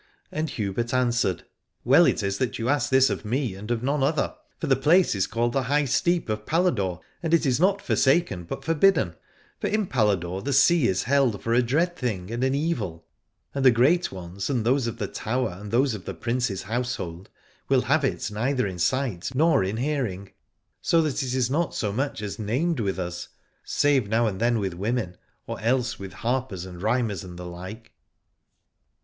And Hubert answered. Well is it that you ask this of me and of none other. For the place is called the High Steep of Paladore, and it is not forsaken but forbidden : for in Paladore the sea is held for a dread thing and an evil, and the great ones and those of the Tower and those of the Prince's household will have it neither in sight nor in hearing, so that it is not so much as named with us, save now 104 Aladore and then with women, or else with harpers and rhymers and the like.